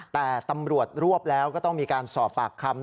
แต่ตำรวจรวบแล้วก็ต้องมีการสอบปากคำ